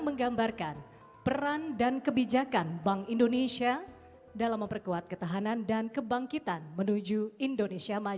pembeli interpretasi tersebut terletak di dekat tempat di atas